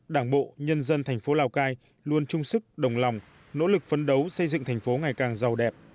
đảng bộ nhân dân thành phố lào cai luôn trung sức đồng lòng nỗ lực phấn đấu xây dựng thành phố ngày càng giàu đẹp